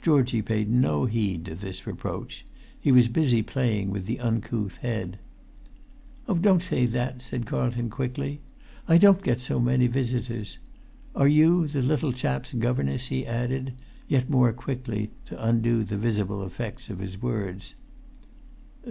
Georgie paid no heed to this reproach; he was busy playing with the uncouth head. "Oh, don't say that," said Carlton, quickly; "I don't get so many visitors! Are you the little chap's[Pg 269] governess?" he added, yet more quickly, to undo the visible effects of his words.